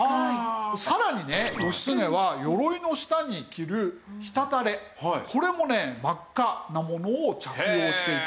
さらにね義経は鎧の下に着る直垂これもね真っ赤なものを着用していたといわれている。